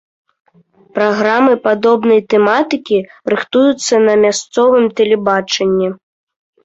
Праграмы падобнай тэматыкі рыхтуюцца на мясцовым тэлебачанні.